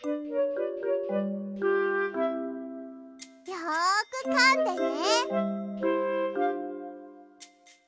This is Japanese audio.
よくかんでね！